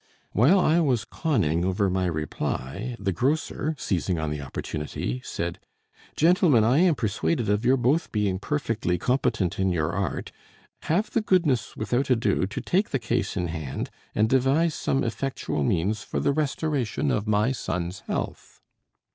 While I was conning over my reply, the grocer, seizing on the opportunity, said: "Gentlemen, I am persuaded of your both being perfectly competent in your art; have the goodness without ado to take the case in hand, and devise some effectual means for the restoration of my son's health."